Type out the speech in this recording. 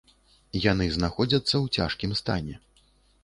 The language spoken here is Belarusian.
Яны знаходзяцца ў цяжкім стане.